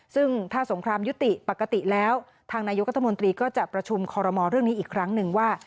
ซึ่งถ้าสงครามยุติปกติแล้วทางนายกรัฐมนตรีก็จะประชุมคอรมอลเรื่องนี้อีกครั้งหนึ่งว่า